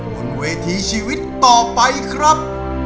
บนเวทีชีวิตต่อไปครับ